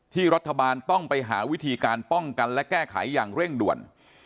รัฐบาลต้องไปหาวิธีการป้องกันและแก้ไขอย่างเร่งด่วน